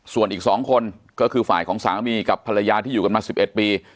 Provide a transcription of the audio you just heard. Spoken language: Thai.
ส่วนอีก๒คนก็คือฝ่ายของสามีกับภรรยาที่อยู่กันมา๑๑ปี